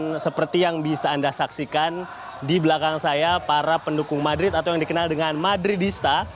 dan seperti yang bisa anda saksikan di belakang saya para pendukung madrid atau yang dikenal dengan madridista